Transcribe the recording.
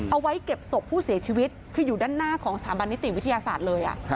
เอาไว้เก็บศพผู้เสียชีวิตคืออยู่ด้านหน้าของสถาบันนิติวิทยาศาสตร์เลย